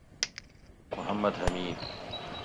محمد حمید